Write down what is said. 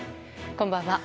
こんばんは。